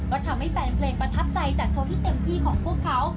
ก็ทำให้แฟนเพลงประทับใจจากโชว์ที่เต็มที่ของพวกเขา